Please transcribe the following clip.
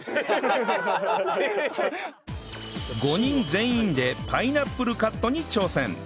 ５人全員でパイナップルカットに挑戦！